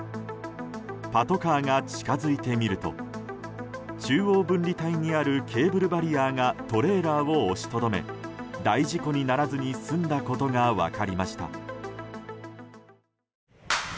パトカーが近づいてみると中央分離帯にあるケーブルバリアーがトレーラーを押しとどめ大事故にならずに済んだことが分かりました。